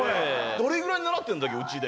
どれぐらい習ってるんだっけ、うちで？